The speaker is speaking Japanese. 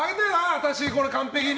私これ完璧に！